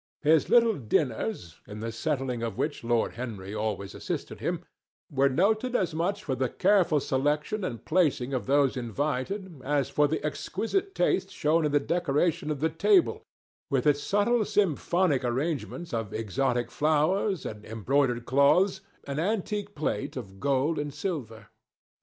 His little dinners, in the settling of which Lord Henry always assisted him, were noted as much for the careful selection and placing of those invited, as for the exquisite taste shown in the decoration of the table, with its subtle symphonic arrangements of exotic flowers, and embroidered cloths, and antique plate of gold and silver.